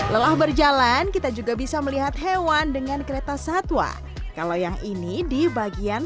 lelah berjalan kita juga bisa melihat hewan dengan kereta satwa kalau yang ini di bagian